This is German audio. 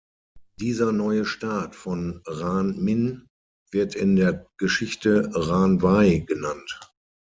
Dieser neue Staat von Ran Min wird in der Geschichte Ran-Wei genannt.